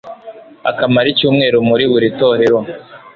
akamara icyumweru muri buri torero